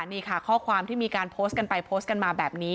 นี่ค่ะข้อความที่มีการโพสต์กันไปโพสต์กันมาแบบนี้